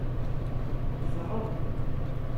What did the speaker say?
Tezɛeḍ.